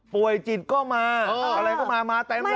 จิตก็มาอะไรก็มามาเต็มเลย